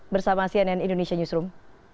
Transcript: bersama cnn indonesia newsroom